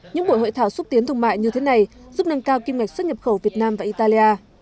những buổi hội thảo xúc tiến thương mại như thế này giúp nâng cao kim ngạch xuất nhập khẩu việt nam và italia